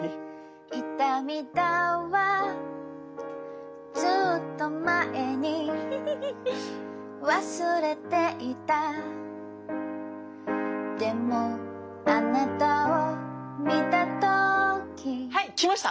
いたみだわずっとまえにわすれていたでもあなたをみたとーきはいきました。